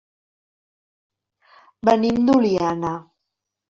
Venim d'Oliana.